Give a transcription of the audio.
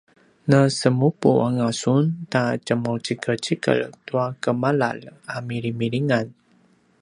nasemupu anga sun ta tjemaucikecikel tua gemalalj a milimilingan?